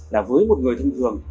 là với một người thông thường